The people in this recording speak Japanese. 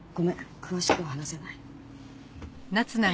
詳しくは話せない。